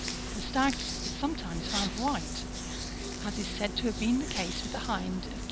The stag is sometimes found white, as is said to have been the case with the hind of Q.